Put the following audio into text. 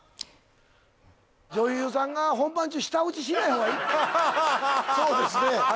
女優さんが本番中舌打ちしない方がいいそうですね